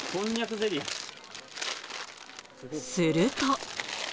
すると。